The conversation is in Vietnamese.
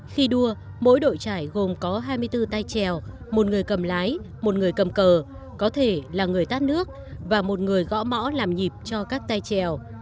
khi đua mỗi đội trải gồm có hai mươi bốn tay trèo một người cầm lái một người cầm cờ có thể là người tát nước và một người gõ mõ làm nhịp cho các tay trèo